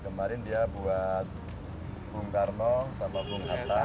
kemarin dia buat bung karno sama bung hatta